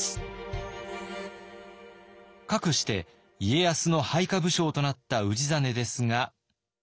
かくして家康の配下武将となった氏真ですが。